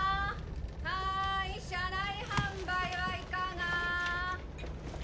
はい車内販売はいかが？